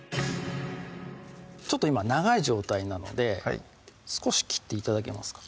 ちょっと今長い状態なので少し切って頂けますか？